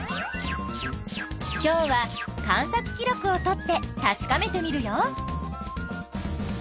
今日は観察記録をとってたしかめてみるよ。